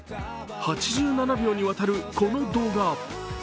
８７秒にわたるこの動画。